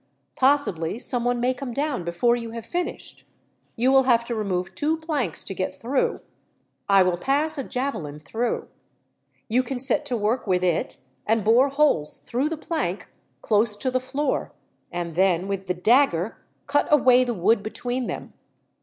"Possibly someone may come down before you have finished. You will have to remove two planks to get through. I will pass a javelin through. You can set to work with it, and bore holes through the plank close to the floor; and then, with the dagger, cut away the wood between them.